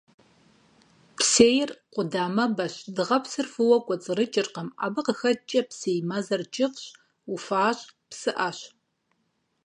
Псейр къудамэбэщ, дыгъэпсыр фӀыуэ кӀуэцӀрыкӀыркъым, абы къыхэкӀкӀэ псей мэзыр кӀыфӀщ, уфащ, псыӀэщ.